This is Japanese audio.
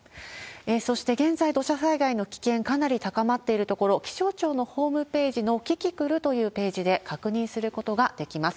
そして、現在、土砂災害の危険、かなり高まっている所、気象庁のホームページのキキクルというページで確認することができます。